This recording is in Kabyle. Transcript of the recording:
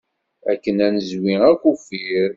Akken ad nezwi akufir.